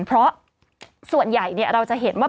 เพราะส่วนใหญ่เราจะเห็นว่า